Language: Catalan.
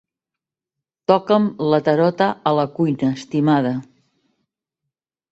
Toca'm la tarota a la cuina, estimada.